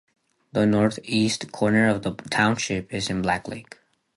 The northeast corner of the township is in Black Lake.